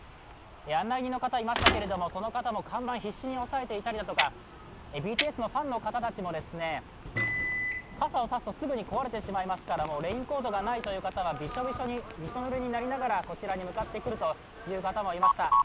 案内人の方もいましたが、その方も看板を必死に押さえていたりとかＢＴＳのファンの方たちも傘を差すとすぐ壊れてしまうのでレインコートがないという方はびしょぬれになりながらこちらに向かってくるという方もいました。